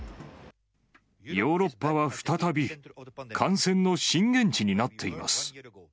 ヨーロッパは再び、感染の震源地になっています。